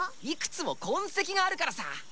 いくつもこんせきがあるからさ。